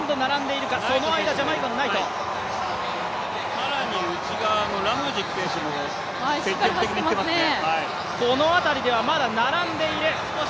更に内側のラフジク選手も積極的にいっていますね。